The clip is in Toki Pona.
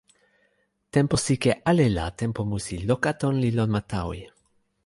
tenpo sike ale la tenpo musi Lokaton li lon ma Tawi.